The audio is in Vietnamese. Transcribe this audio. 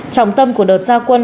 trọng tâm của đợt giao quân